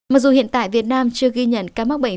mặc dù hiện tại việt nam chưa ghi nhận ca mắc bệnh